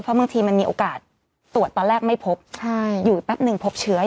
เพราะบางทีมันมีโอกาสตรวจตอนแรกไม่พบอยู่แป๊บนึงพบเชื้อ